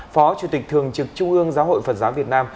phó chủ tịch thường trực trung ương giáo hội phật giáo việt nam